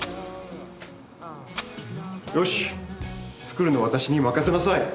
よし作るのは私に任せなさい。